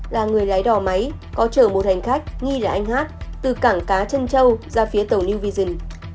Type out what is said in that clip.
là người lái đò máy có chở một hành khách nghi là anh hát từ cảng cá chân châu ra phía tàu new vision